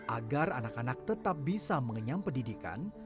agar anak anak tetap bisa mengenyam pendidikan